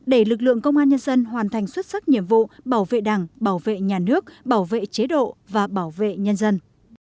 để lực lượng công an nhân dân hoàn thành xuất sắc nhiệm vụ bảo vệ đảng bảo vệ nhà nước bảo vệ chế độ và bảo vệ nhân dân